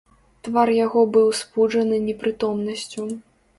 Твар яго быў спуджаны непрытомнасцю.